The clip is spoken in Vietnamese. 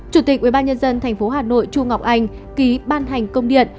chủ tịch ubnd tp hà nội chu ngọc anh ký ban hành công điện